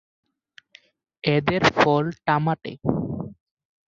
এদের ফল তামাটে।